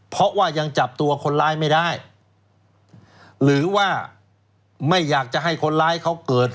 เพราะว่ายังจับตัวคนร้ายไม่ได้หรือว่าไม่อยากจะให้คนร้ายเขาเกิด